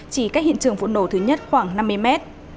chỉ cách hiện trường vụ nổ thứ nhất khoảng năm mươi mét